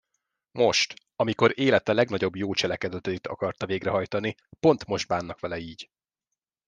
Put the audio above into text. Most, amikor élete legnagyobb jó cselekedetét akarta végrehajtani, pont most bánnak vele így.